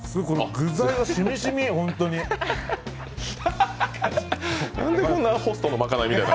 具材がしみしみ、ホントに。